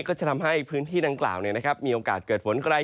ก็จะทำให้พื้นที่ดังกล่าวมีโอกาสเกิดฝนไกล